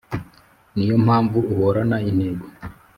ni yo mpamvu uhorana intego